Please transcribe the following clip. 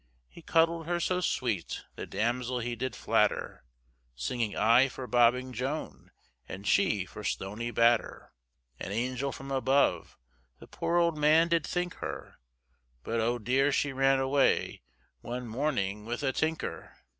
He cuddled her so sweet, The damsel he did flatter, Singing I for Bobbing Joan, And she for stoney batter; An angel from above, The poor old man did think her, But oh dear, she ran away One morning with a tinker.